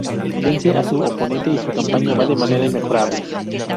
Vence a su oponente y su campaña va de manera inmejorable.